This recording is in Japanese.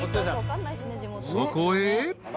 ［そこへ］